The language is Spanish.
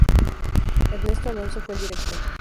Ernesto Alonso fue el director.